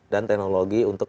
dan teknologi untuk